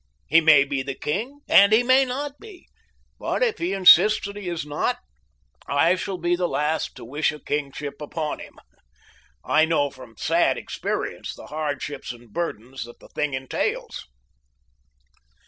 He may be the king and he may not; but if he insists that he is not, I shall be the last to wish a kingship upon him. I know from sad experience the hardships and burdens that the thing entails."